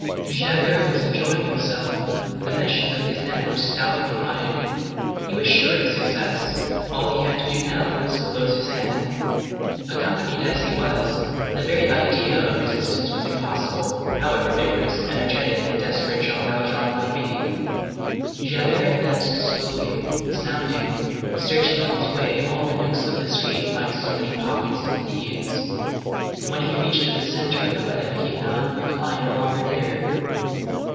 Javert was enjoying himself. The meshes of his net were stoutly knotted. He was sure of success; all he had to do now was to close his hand. Accompanied as he was, the very idea of resistance was impossible, however vigorous, energetic, and desperate Jean Valjean might be. [Illustration: Javert on the Hunt] Javert advanced slowly, sounding, searching on his way all the nooks of the street like so many pockets of thieves. When he reached the centre of the web he found the fly no longer there.